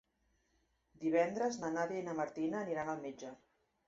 Divendres na Nàdia i na Martina aniran al metge.